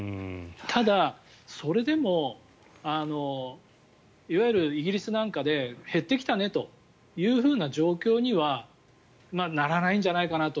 ただ、それでもいわゆるイギリスなんかで減ってきたねという状況にはならないんじゃないかなと。